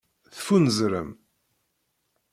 Teffunzrem.